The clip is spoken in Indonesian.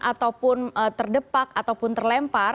ataupun terdepak ataupun terlempar